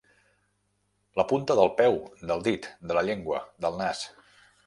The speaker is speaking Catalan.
La punta del peu, del dit, de la llengua, del nas.